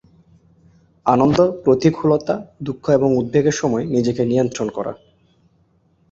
আনন্দ, প্রতিকূলতা, দুঃখ এবং উদ্বেগের সময়ে নিজেকে নিয়ন্ত্রণ করা।